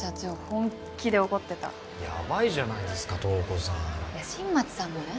本気で怒ってたやばいじゃないですか塔子さんいや新町さんもね